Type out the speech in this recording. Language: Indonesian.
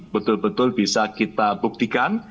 betul betul bisa kita buktikan